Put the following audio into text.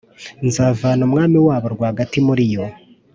nzavana umwami wabo rwagati muri yo,